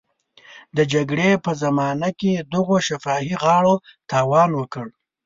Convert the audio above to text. د جګړې په زمانه کې دغو شفاهي غاړو تاوان وکړ.